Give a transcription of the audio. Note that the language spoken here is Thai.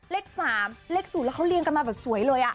เลข๓เลข๐แล้วเขาเรียงกันมาแบบสวยเลย